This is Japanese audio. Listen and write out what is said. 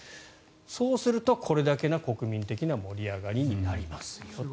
そうすると、これだけな国民的な盛り上がりになりますよと。